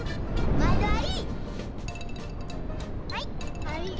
まいどあり！